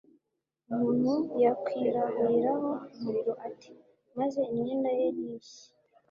umuntu yakwirahuriraho umuriro ate, maze imyenda ye ntishye